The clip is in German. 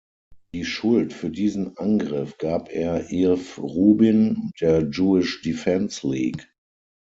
Die Schuld für diesen Angriff gab er Irv Rubin und der Jewish Defense League.